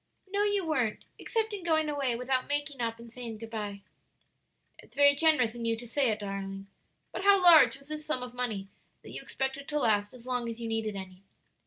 "No, you weren't, except in going away without making up and saying good by." "It's very generous in you to say it, darling. But how large was this sum of money that you expected to last as long as you needed any?"